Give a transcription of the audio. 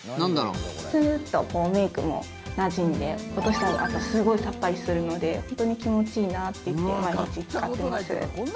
スルッとメイクもなじんで落としたあとすごいさっぱりするので本当に気持ちいいなと言って毎日使っています。